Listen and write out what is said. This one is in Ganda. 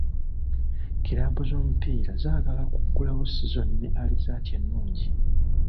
Kiraabu z'omupiira zaagala okuggulawo sizoni ne alizaati ennungi.